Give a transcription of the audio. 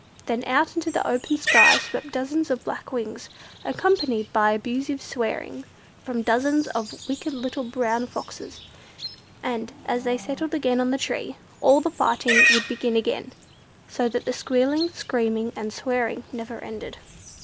Then out into the open sky swept dozens of black wings, accompanied by abusive swearing from dozens of wicked little brown Foxes; and, as they settled again on the tree, all the fighting would begin again, so that the squealing, screaming, and swearing never ended.